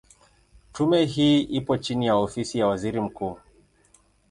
Tume hii ipo chini ya Ofisi ya Waziri Mkuu.